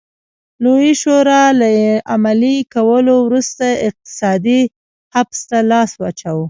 لویې شورا له عملي کولو وروسته اقتصادي حبس ته لاس واچاوه.